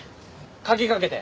鍵かけて。